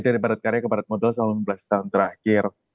dari barat karya ke barat modal selama enam belas tahun terakhir